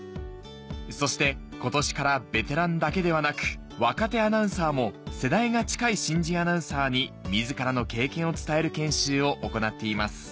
そして今年からベテランだけではなく若手アナウンサーも世代が近い新人アナウンサーに自らの経験を伝える研修を行っています